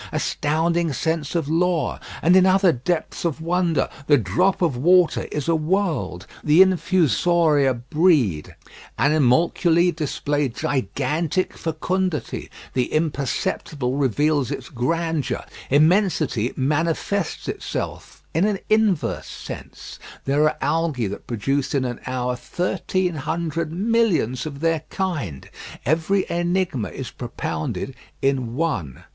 Astounding sense of law! And in other depths of wonder, the drop of water is a world; the infusoria breed; animalculæ display gigantic fecundity, the imperceptible reveals its grandeur, immensity manifests itself, in an inverse sense; there are algæ that produce in an hour thirteen hundred millions of their kind. Every enigma is propounded in one.